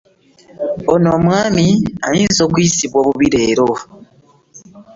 Ono omwana alinza okuyisibwa obubi leero.